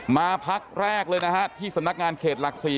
มาพักแรกเลยนะฮะที่สำนักงานเขตหลัก๔